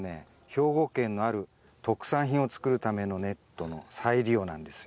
兵庫県のある特産品を作るためのネットの再利用なんですよ。